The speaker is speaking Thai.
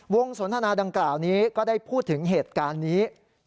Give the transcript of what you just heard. สนทนาดังกล่าวนี้ก็ได้พูดถึงเหตุการณ์นี้